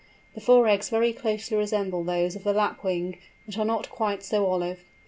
The four eggs very closely resemble those of the Lapwing, but are not quite so olive.